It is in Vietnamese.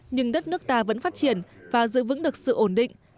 nhưng đất nước ta vẫn phát triển và giữ vững được sự ổn định